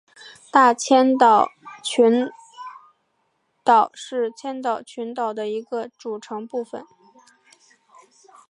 大千岛群岛是千岛群岛的一个组成部分。